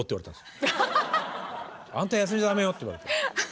「あんた休みダメよ」って言われた。